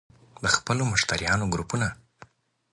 - د خپلو مشتریانو ګروپونه